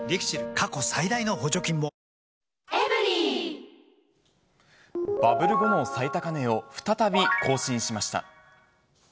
過去最大の補助金もバブル後の最高値を再び更新しました。